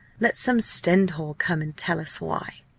Let some Stendhal come and tell us why!"